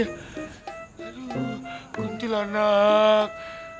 aduh ganti lah anak